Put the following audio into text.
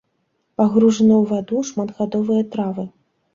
Пагружаныя ў ваду шматгадовыя травы.